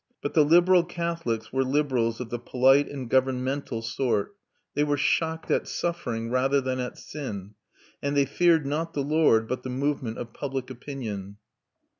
But the liberal Catholics were liberals of the polite and governmental sort; they were shocked at suffering rather than at sin, and they feared not the Lord but the movement of public opinion.